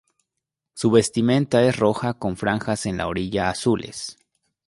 Su vestimenta es roja con franjas en la orilla azules.